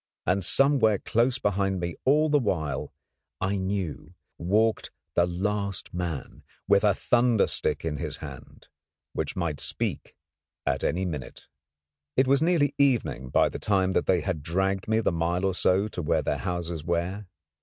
And somewhere close behind me all the while, I knew, walked the last man, with a thunder stick in his hand, which might speak at any minute. It was nearly evening by the time that they had dragged me the mile or so to where their houses were.